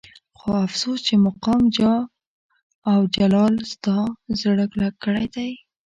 خو افسوس چې مقام جاه او جلال ستا زړه کلک کړی دی.